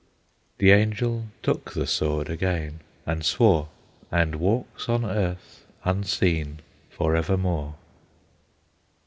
The Angel took the sword again, and swore, And walks on earth unseen forevermore.